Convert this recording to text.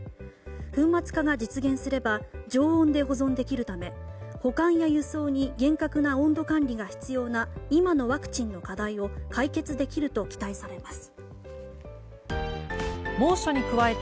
粉末化が実現すれば常温で保存できるため保管や輸送に厳格な温度管理が必要な今のワクチンの課題を解決できると期待されます。